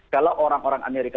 kalau orang orang amerika